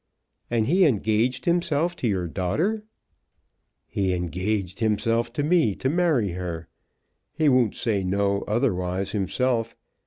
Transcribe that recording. "And he engaged himself to your daughter?" "He engaged hisself to me to marry her. He won't say no otherwise himself.